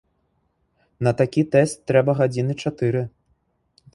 На такі тэст трэба гадзіны чатыры.